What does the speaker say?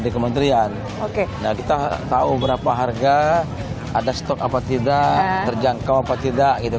di kementerian nah kita tahu berapa harga ada stok apa tidak terjangkau apa tidak gitu